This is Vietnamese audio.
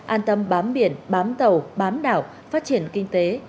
an tâm bám biển bám tàu bám đảo phát triển kinh tế